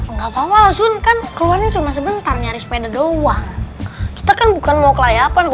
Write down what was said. nggak mau langsung kan keluarnya cuma sebentar nyari sepeda doang kita kan bukan mau ke layak